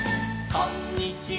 「こんにちは」「」